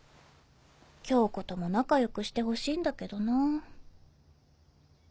恭子とも仲良くしてほしいんだけどな。